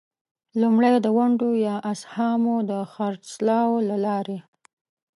لومړی: د ونډو یا اسهامو د خرڅلاو له لارې.